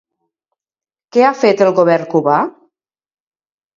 Què ha fet el Govern cubà?